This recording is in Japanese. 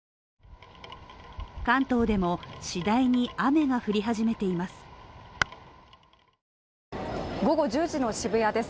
関東でも次第に雨が降り始めています。